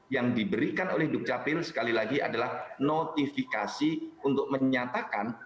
yang diberikan oleh dukcapil sekali lagi adalah notifikasi untuk menyatakan